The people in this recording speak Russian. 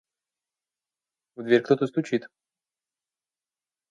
В дверь кто-то стучит.